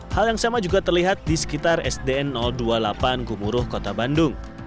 hal yang sama juga terlihat di sekitar sdn dua puluh delapan gumuruh kota bandung